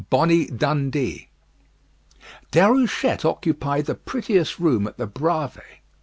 VIII "BONNIE DUNDEE" Déruchette occupied the prettiest room at the Bravées.